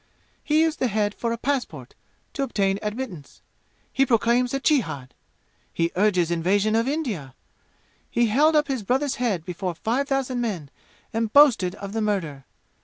He used the head for a passport, to obtain admittance. He proclaims a jihad! He urges invasion of India! He held up his brother's head before five thousand men and boasted of the murder.